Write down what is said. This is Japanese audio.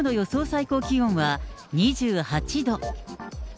最高気温は２８度。